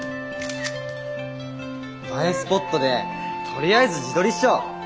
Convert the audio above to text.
映えスポットでとりあえず自撮りっしょ。